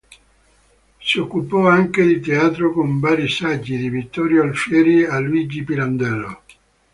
Si occupò anche di teatro con vari saggi, da Vittorio Alfieri a Luigi Pirandello.